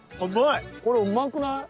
これうまくない？